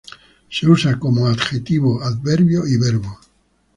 Se usa como adjetivo, adverbio y verbo.